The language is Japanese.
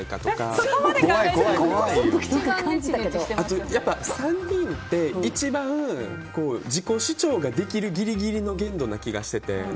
あと、３人って一番自己主張ができるギリギリの限度な気がしてて。